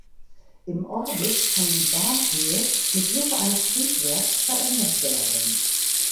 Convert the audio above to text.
Im Orbit kann die Bahnhöhe mit Hilfe eines Triebwerks verändert werden.